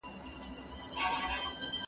ده د مېلمه پالنې دود ساته.